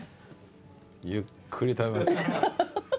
ゆっくり食べ。